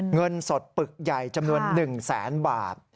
เงินสดปึกใหญ่จำนวน๑แสนบาท